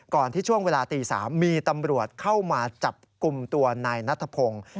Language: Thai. ที่ช่วงเวลาตี๓มีตำรวจเข้ามาจับกลุ่มตัวนายนัทพงศ์